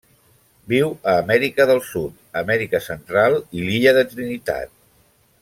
Viu a Amèrica del Sud, Amèrica Central i l'illa de Trinitat.